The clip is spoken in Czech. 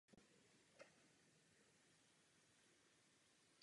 Ludvík sloužil jako Velký komoří Francie a Velmistr Francie.